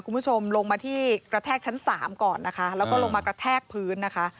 คุณผู้ชมลงมาที่กระแทกชั้นสามก่อนนะคะแล้วก็ลงมากระแทกพื้นนะคะ